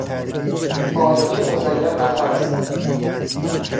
پالتو مزین به خز